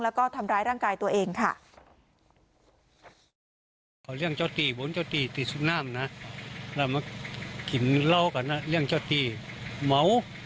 แล้วก็ทำร้ายร่างกายตัวเองค่ะ